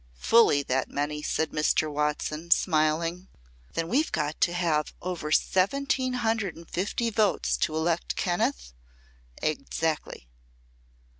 "Fully that many," said Mr. Watson, smiling. "Then we've got to have over seventeen hundred and fifty votes to elect Kenneth?" "Exactly."